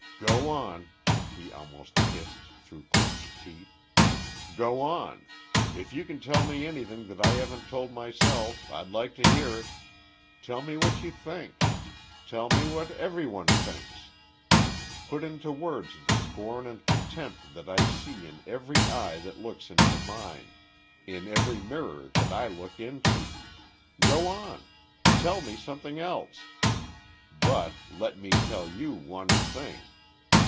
"Go on!" he almost hissed, through clenched teeth. "Go on! If you can tell me anything that I haven't told myself, I'd like to hear it. Tell me what you think. Tell me what everyone thinks. Put into words the scorn and contempt that I see in every eye that looks into mine in every mirror that I look into. Go on! Tell me something else! But let me tell you one thing!